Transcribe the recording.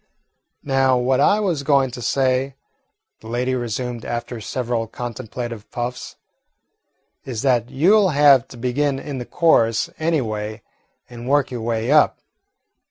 "Now, what I was going to say," the lady resumed after several contemplative puffs, "is that you 'll have to begin in the chorus any way and work your way up.